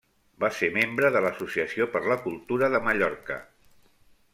Va ser membre de l'Associació per la Cultura de Mallorca.